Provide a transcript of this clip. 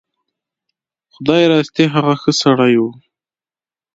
خدای راستي هغه ښه سړی و.